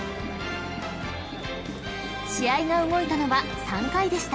［試合が動いたのは３回でした］